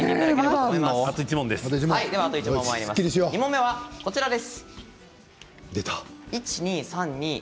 ２問目はこちらです。